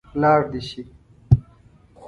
لاړ دې شي.